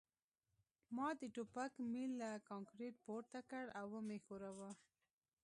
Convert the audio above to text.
ما د ټوپک میل له کانکریټ پورته کړ او ومې ښوراوه